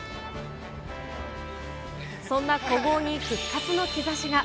そんな古豪に復活の兆しが。